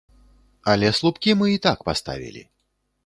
Але слупкі мы і так паставілі.